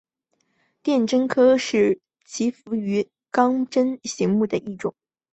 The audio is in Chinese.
电鲇科是辐鳍鱼纲鲇形目的其中一科。